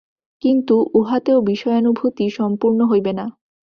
কিন্তু উহাতেও বিষয়ানুভূতি সম্পূর্ণ হইবে না।